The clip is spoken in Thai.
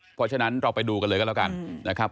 เพราะฉะนั้นเราไปดูกันเลยก็แล้วกันนะครับ